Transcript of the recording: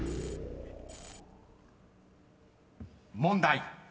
［問題］